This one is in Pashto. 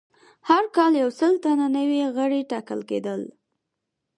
هر کال یو سل تنه نوي غړي ټاکل کېدل